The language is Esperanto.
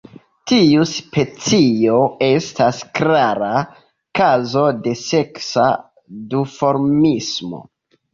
Tiu specio estas klara kazo de seksa duformismo.